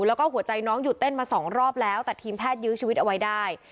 แล้วก็หัวใจน้องหยุดเต้นมาสองรอบแล้วแต่ทีมแพทยื้อชีวิตเอาไว้ได้